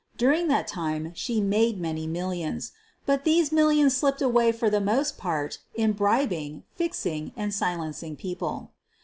During that time she made many millions. But these millions slipped away for the most part in bribing, fixing, and silenc ing people.